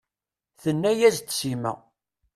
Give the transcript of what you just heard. Tenne-as-d Sima.